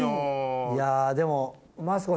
いやでも。